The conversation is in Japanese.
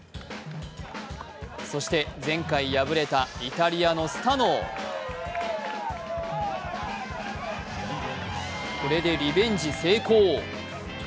そして前回敗れたイタリアのスタノをこれでリベンジ成功。